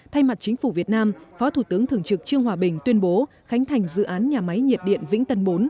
thay mặt chính phủ việt nam phó thủ tướng thường trực trương hòa bình tuyên bố khánh thành dự án nhà máy nhiệt điện vĩnh tân bốn